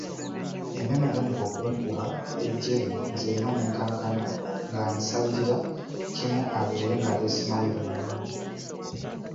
Emmeeme yatandika okunkuba ejjebe nzenna ne nkankana nga nsabirira kimu abeere ng'aleese mawulire malungi.